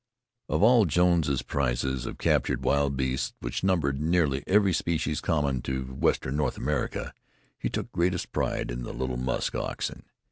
Of all Jones's prizes of captured wild beasts which numbered nearly every species common to western North America he took greatest pride in the little musk oxen.